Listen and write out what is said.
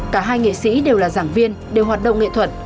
cả hai nghệ sĩ đều là giảng viên đều hoạt động nghệ thuật